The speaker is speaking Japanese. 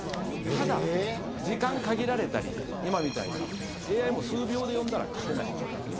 ただ、時間限られたり今みたいにＡＩも数秒で読んだら勝てないわけですね。